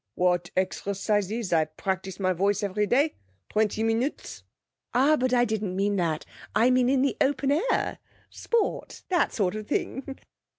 'What exercises? I practise my voice every day, twenty minutes.' 'Ah, but I didn't mean that. I mean in the open air sport that sort of thing.'